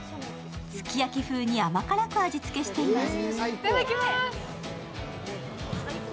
すき焼き風に甘辛く味付けしています。